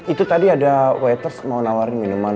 itu tadi ada waters mau nawarin minuman